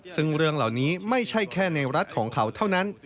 ซึ่งเรื่องเหล่านี้ไม่ใช่แค่ในรัฐของเขาเท่านั้น